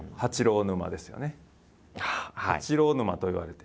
「八郎沼」と言われて。